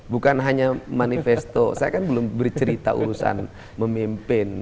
bukan hanya manifesto saya kan belum bercerita urusan memimpin